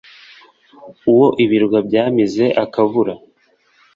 Uwo Ibirwa byamize akabura